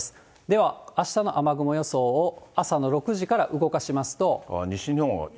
では、あしたの雨雲予想を、朝の６時から動かしますと。